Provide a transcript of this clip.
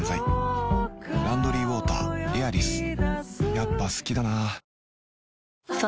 やっぱ好きだな